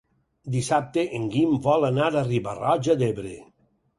Dissabte en Guim vol anar a Riba-roja d'Ebre.